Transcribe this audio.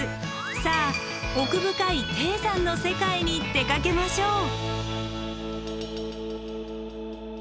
さあ奥深い低山の世界に出かけましょう。